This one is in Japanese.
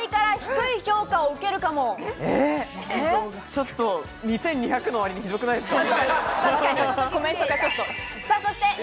ちょっと２２００のわりにはひどくないですか？